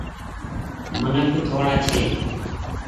منک ٿوڙآ ڇي۔